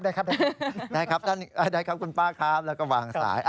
ได้ครับคุณป้าครับแล้วก็วางสาย